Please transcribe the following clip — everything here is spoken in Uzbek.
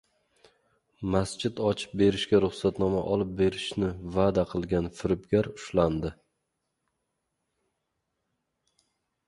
Masjid ochib berishga ruxsatnoma olib berishni va’da qilgan firibgar ushlandi